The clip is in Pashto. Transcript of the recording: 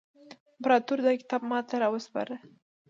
امپراطور دا کتاب ماته را وسپاره.